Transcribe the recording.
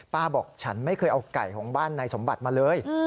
บอกฉันไม่เคยเอาไก่ของบ้านนายสมบัติมาเลย